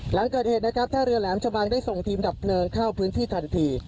หลังเกิดเหตุนะครับท่าเรือแหลมชะบังได้ส่งทีมดับเพลิงเข้าพื้นที่ทันที